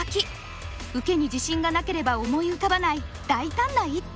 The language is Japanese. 受けに自信がなければ思い浮かばない大胆な一手。